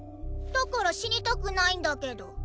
だから死にたくないんだけど。